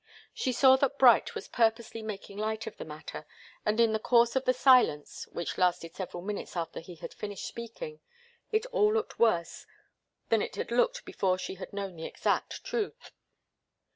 She saw that Bright was purposely making light of the matter; and in the course of the silence, which lasted several minutes after he had finished speaking, it all looked worse than it had looked before she had known the exact truth.